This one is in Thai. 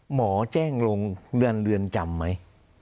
หมอแจ้งลงเลื่อนจำไม่